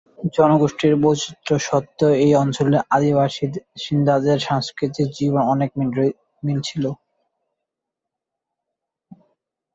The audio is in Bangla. জনগোষ্ঠীর বৈচিত্র্য সত্ত্বেও এ অঞ্চলের আদি বাসিন্দাদের সাংস্কৃতিক জীবনে অনেক মিল ছিল।